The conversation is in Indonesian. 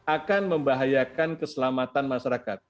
akan membahayakan keselamatan masyarakat